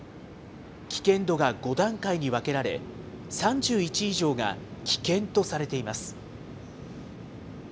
危険度が５段階に分けられ、３１以上が危険とされています。